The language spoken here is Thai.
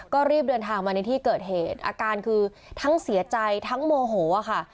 ก็รีบเดินทางมาในที่เกิดเหตุอาการคือทั้งเสียใจทั้งโมโหค่ะ